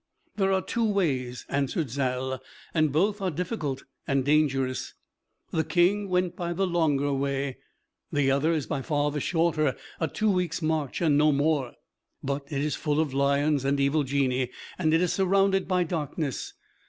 "There are two ways," answered Zal, "and both are difficult and dangerous. The King went by the longer way. The other is by far the shorter, a two weeks' march and no more; but it is full of lions and evil Genii, and it is surrounded by darkness.